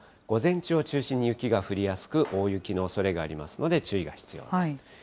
午前中を中心に雪が降りやすく、大雪のおそれがありますので、注意が必要です。